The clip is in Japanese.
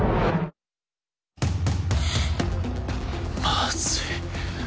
まずい。